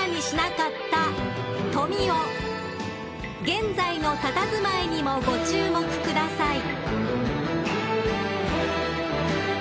［現在のたたずまいにもご注目ください］